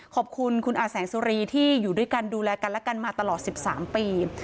ขอบคุณคุณอาแสงสุรีที่อยู่ด้วยกันดูแลกันและกันมาตลอด๑๓ปี